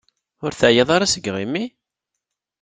Ur teεyiḍ ara seg yiɣimi?